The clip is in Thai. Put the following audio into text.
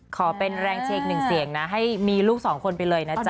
ขอเป็นแรงเชคหนึ่งเสียงนะให้มีลูกสองคนไปเลยนะจ๊